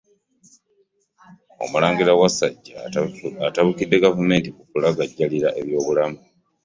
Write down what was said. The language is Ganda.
Omulangira Wasajja atabukidde gavumenti ku kulagajjalira eby'obulamu